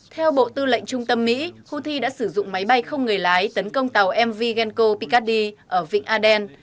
theo bộ tư lệnh trung tâm mỹ houthi đã sử dụng máy bay không người lái tấn công tàu mv genco picardy ở vịnh aden